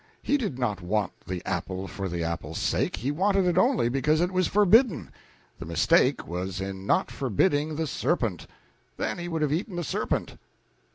He did not want the apple for the apple's sake, he wanted it only because it was forbidden. The mistake was in not forbidding the serpent; then he would have eaten the serpent.